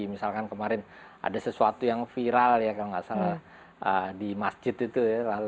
misalkan kemarin ada sesuatu yang viral ya kalau nggak salah di masjid itu ya